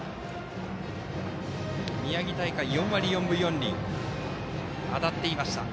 宮城大会は４割４分４厘と当たっていました。